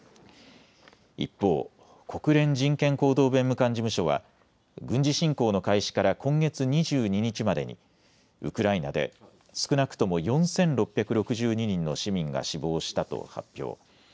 一方、国連人権高等弁務官事務所は軍事侵攻の開始から今月２２日までにウクライナで少なくとも４６６２人の市民が死亡したと発表。